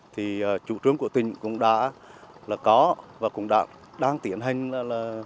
thì chủ trương của tỉnh cũng đã là có và cũng đã đang tiến hành là